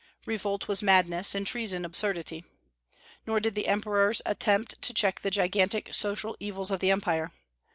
Revolt was madness, and treason absurdity. Nor did the Emperors attempt to check the gigantic social evils of the empire.